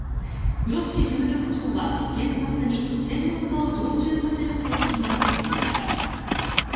グロッシ事務局長は原発に専門家を常駐させる方針を示しました。